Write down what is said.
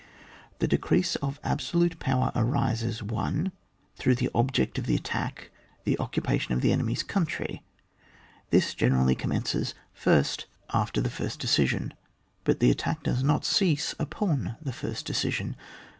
The decrease of absolute power arises — 1. Through the object of the attack, the occupation of the enemy's country; tliifi generally commences first after the OHAP. IV.] LECREASmO FORCE OF TEE ATTACK. first decision, but the attack does not cease upon the first decision.